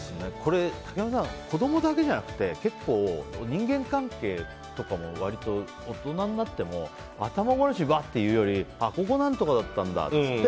竹山さん、子供だけじゃなくて人間関係とかも割と大人になっても頭ごなしにわって言うよりここなんとかだったんだって言って